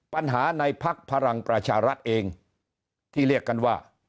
ปัญหาในภักดิ์พลังประชารัฐเองที่เรียกกันว่า